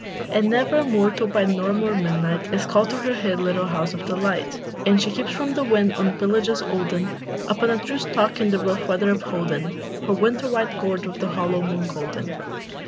And never a mortal by morn or midnight Is called to her hid little house of delight; And she keeps from the wind, on his pillages olden, Upon a true stalk in rough weather upholden, Her winter white gourd with the hollow moon golden.